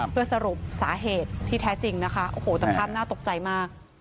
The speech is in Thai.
เพื่อสรุปสาเหตุที่แท้จริงนะคะโอ้โหแต่ภาพน่าตกใจมาก